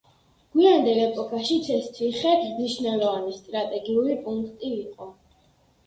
გვიანდელ ეპოქაშიც ეს ციხე მნიშვნელოვანი სტრატეგიული პუნქტი იყო.